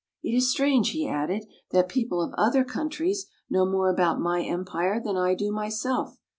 " It is strange," he added, " that people of other countries know more about my Empire than I do myself.